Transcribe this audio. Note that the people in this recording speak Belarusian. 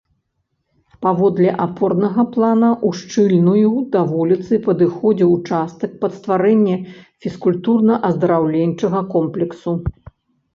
Паводле апорнага плана, ушчыльную да вуліцы падыходзіў участак пад стварэнне фізкультурна-аздараўленчага комплексу.